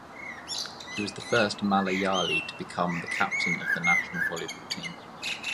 He was the first Malayali to become the captain of the national volleyball team.